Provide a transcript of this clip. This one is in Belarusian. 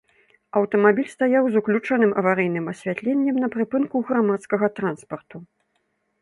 Аўтамабіль стаяў з уключаным аварыйным асвятленнем на прыпынку грамадскага транспарту.